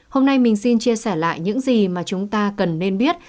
hôm nay mình xin chia sẻ lại những gì mà chúng ta cần nên biết